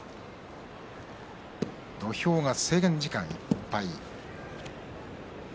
土俵が制限時間いっぱいです。